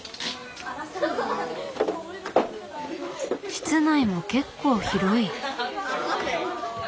室内も結構広い。